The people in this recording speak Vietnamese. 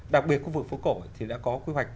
đặc biệt khu vực phố cổ thì đã có quy hoạch